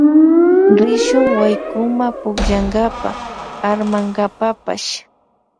Rishun waykuma pukllankapa armankapapash.